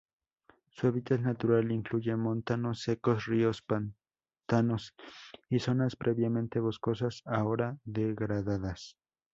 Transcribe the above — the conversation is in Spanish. Su hábitat natural incluye montanos secos, ríos, pantanos y zonas previamente boscosas ahora degradadas.